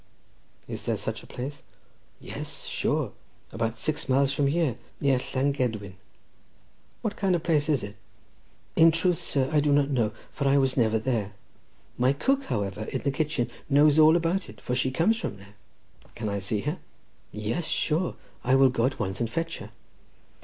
"Is there such a place?" "Yes, sure; about six miles from here, near Llangedwin." "What kind of place is it?" "In truth, sir, I do not know, for I was never there. My cook, however, in the kitchen, knows all about it, for she comes from there." "Can I see her?" "Yes, sure; I will go at once and fetch her."